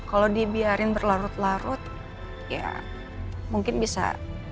kalau dibiarin berlarut larut ya mungkin bisa